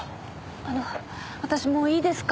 あの私もういいですか？